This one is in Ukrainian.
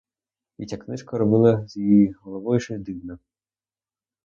І ця книжка робила з її головою щось дивне.